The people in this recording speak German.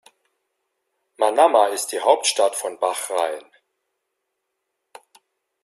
Manama ist die Hauptstadt von Bahrain.